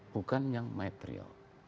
bukan yang material